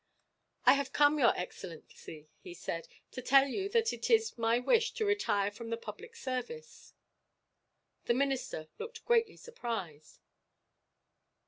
"I have come, your excellency," he said, "to tell you that it is my wish to retire from the public service." The minister looked greatly surprised.